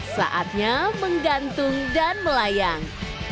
saatnya menggantung dan melayang